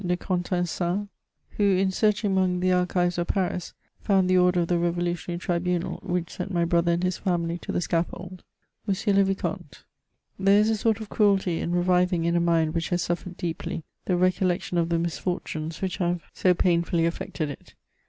de Contencin, who, in searching among the archives of Paris, found the order of the Revolutionary Tribunal, which sent my brother and his family to the scaflFold :— "MOWSIEUB LE ViCOMTE, " There is a sort of cruelty in reviving in a mind which has suffered deeply, the recollection of the misfortunes which have CHATEAUBRIAND. 385 SO painfully affected it.